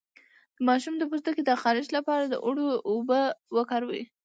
د ماشوم د پوستکي د خارښ لپاره د اوړو اوبه وکاروئ